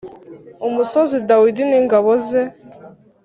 umusozi Dawidi n ingabo ze